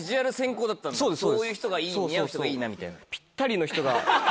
こういう人がいい似合う人がいいなみたいな。